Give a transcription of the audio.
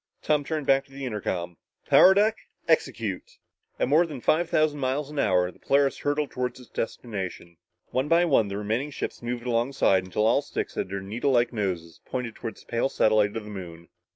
Tom turned back to the intercom. "Power deck, execute!" At more than five thousand miles an hour, the Polaris hurtled toward its destination. One by one the remaining ships moved alongside until all six had their needlelike noses pointed toward the pale satellite of the Moon.